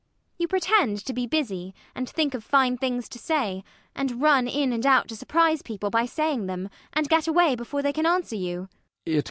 You pretend to be busy, and think of fine things to say, and run in and out to surprise people by saying them, and get away before they can answer you.